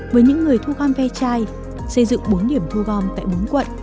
với những người thu gom ve chai xây dựng bốn điểm thu gom tại bốn quận